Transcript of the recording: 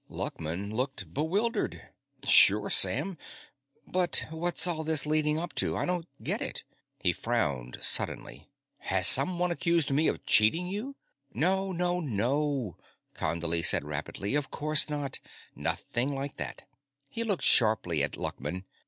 Luckman looked bewildered. "Sure, Sam. But what's all this leading up to? I don't get it." He frowned suddenly. "Has someone accused me of cheating you?" "No, no, no," Condley said rapidly. "Of course not. Nothing like that." He looked sharply at Luckman.